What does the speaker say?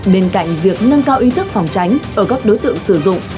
bên cạnh việc nâng cao ý thức phòng tránh ở các đối tượng sử dụng